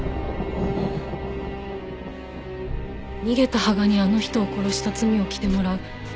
逃げた芳賀にあの人を殺した罪を着てもらう。